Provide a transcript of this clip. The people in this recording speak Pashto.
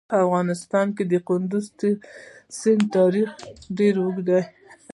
په افغانستان کې د کندز سیند تاریخ ډېر اوږد دی.